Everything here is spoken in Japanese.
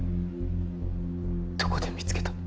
どこで見つけた？